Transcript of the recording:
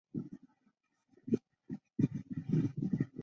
一名智利射箭运动员在奥运射箭泛美预选赛上获得资格。